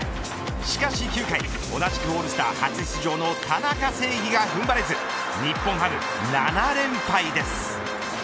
しかし９回、同じくオールスター初出場の田中正義が踏ん張れず日本ハム７連敗です。